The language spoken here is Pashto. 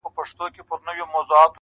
o که آرام غواړې، د ژوند احترام وکړه.